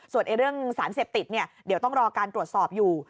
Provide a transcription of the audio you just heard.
ส่วนเรื่องสารเสพติดเดี๋ยวต้องรอการตรวจสอบอยู่